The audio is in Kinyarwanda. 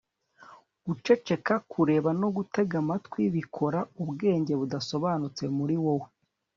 guceceka, kureba, no gutega amatwi bikora ubwenge budasobanutse muri wowe